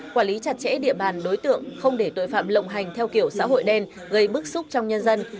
quản lý chặt chẽ địa bàn đối tượng không để tội phạm lộng hành theo kiểu xã hội đen gây bức xúc trong nhân dân